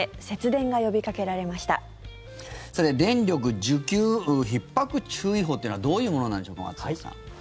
電力需給ひっ迫注意報というのはどういうものなんでしょうか。